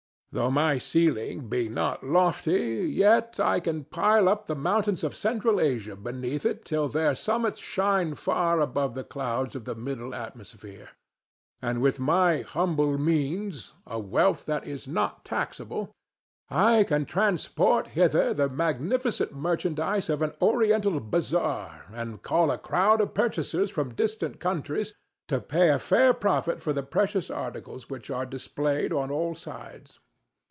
Though my ceiling be not lofty, yet I can pile up the mountains of Central Asia beneath it till their summits shine far above the clouds of the middle atmosphere. And with my humble means—a wealth that is not taxable—I can transport hither the magnificent merchandise of an Oriental bazaar, and call a crowd of purchasers from distant countries to pay a fair profit for the precious articles which are displayed on all sides.